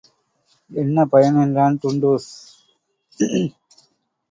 என்ன பயன்? என்றான் டுன்டுஷ்.